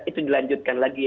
itu dilanjutkan lagi